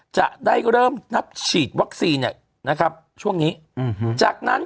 จะได้เริ่มนับฉีดวัคซีนเนี่ยนะครับช่วงนี้อืมจากนั้น